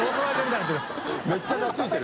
めっちゃ懐いてる。